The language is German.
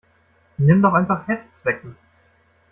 Nimm doch einfach Heftzwecken.